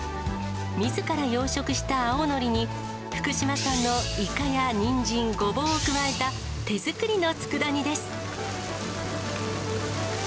みずから養殖した青のりに、福島産のイカやにんじん、ごぼうを加えた手作りのつくだ煮です。